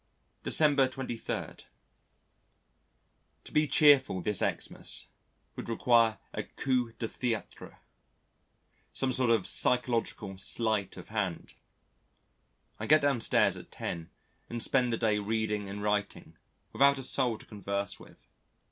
December 23. To be cheerful this Xmas would require a coup de théâtre some sort of psychological sleight of hand. I get downstairs at 10 and spend the day reading and writing, without a soul to converse with.